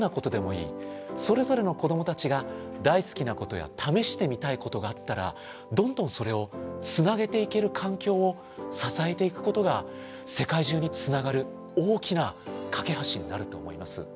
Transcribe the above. それぞれの子どもたちが大好きなことや試してみたいことがあったらどんどんそれをつなげていける環境を支えていくことが世界中につながる大きな懸け橋になると思います。